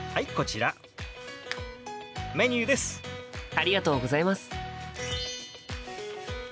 ありがとうございます。